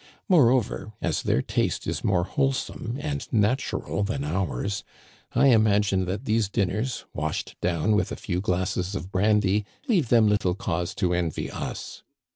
More over, as their taste is more wholesome and natural than ours, I imagine that these dinners, washed down with a few glasses of brandy, leave them little cause to envy us.